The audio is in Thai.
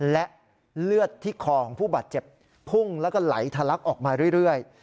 และเลือดที่คอของผู้บาดเจ็บพุ่งแล้วก็ไหลทะลักออกมาเรื่อย